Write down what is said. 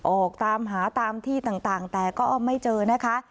ออกตามหาตามที่ต่างแต่ก็ไม่เจอนะคะ